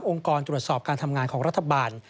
กรตรวจสอบการทำงานของรัฐบาล